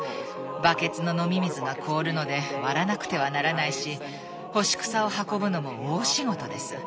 バケツの飲み水が凍るので割らなくてはならないし干し草を運ぶのも大仕事です。